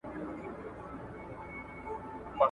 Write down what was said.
د نویو اختراع ګانو مفکورې لومړی پر کاغذ راځي.